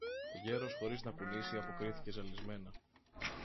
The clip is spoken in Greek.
Ο γέρος χωρίς να κουνήσει, αποκρίθηκε ζαλισμένα